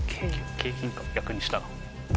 「景品」か逆にしたら。